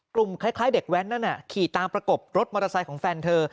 คล้ายเด็กแว้นนั่นขี่ตามประกบรถมอเตอร์ไซค์ของแฟนเธอ